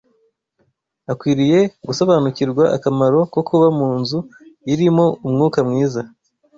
Akwiriye gusobanukirwa akamaro ko kuba mu nzu irimo umwuka mwiza